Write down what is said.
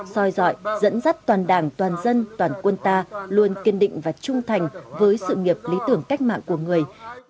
soi dọi dẫn dắt toàn đảng toàn dân toàn quân ta luôn kiên định và trung thành với sự nghiệp lý tưởng cách mạng của người